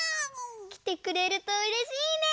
きてくれるとうれしいね！